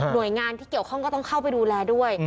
โดยงานที่เกี่ยวข้องก็ต้องเข้าไปดูแลด้วย